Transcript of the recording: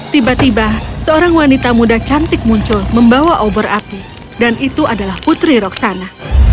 tiba tiba seorang wanita muda cantik muncul membawa obor api dan itu adalah putri roksana